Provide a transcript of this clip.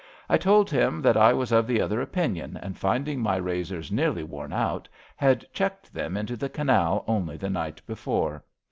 I told him that I was of the other opinion, and finding my razors nearly worn out had chucked them into the Canal only the night before.